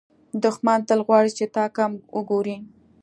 دښمن تل غواړي چې تا کم وګوري